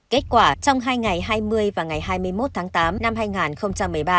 kết quả trong hai ngày hai mươi và ngày hai mươi một tháng tám năm hai nghìn một mươi ba